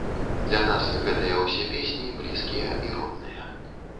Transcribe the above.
Для нас гэтыя ўсе песні блізкія і родныя.